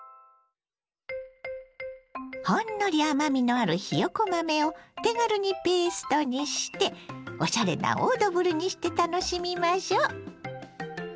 ほんのり甘みのあるひよこ豆を手軽にペーストにしておしゃれなオードブルにして楽しみましょう。